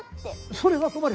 それは困る！